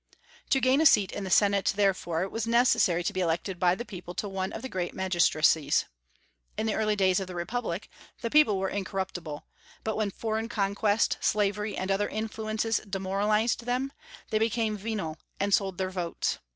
To gain a seat in the Senate, therefore, it was necessary to be elected by the people to one of the great magistracies. In the early ages of the Republic the people were incorruptible; but when foreign conquest, slavery, and other influences demoralized them, they became venal and sold their votes.